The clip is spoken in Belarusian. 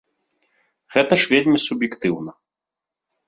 Гэта ж вельмі суб'ектыўна!